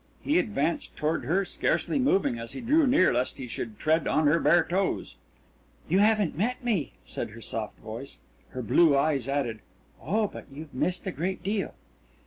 He advanced toward her, scarcely moving as he drew near lest he should tread on her bare toes. "You haven't met me," said her soft voice. Her blue eyes added, "Oh, but you've missed a great deal!"...